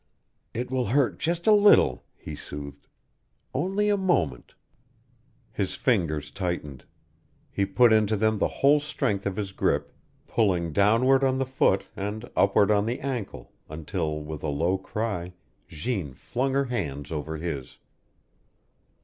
"It will hurt just a little," he soothed. "Only a moment." His fingers tightened. He put into them the whole strength of his grip, pulling downward on the foot and upward on the ankle until, with a low cry, Jeanne flung her hands over his.